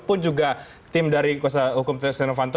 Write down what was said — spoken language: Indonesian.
pun juga tim dari kuasa hukum tni rwanto